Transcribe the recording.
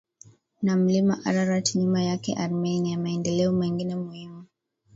na Mlima Ararat nyuma yake Armenia Maendeleo mengine muhimu